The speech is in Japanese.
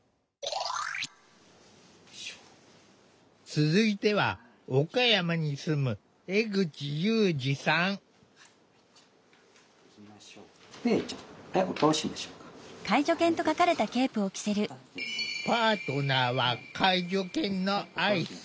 続いては岡山に住むパートナーは介助犬のアイス。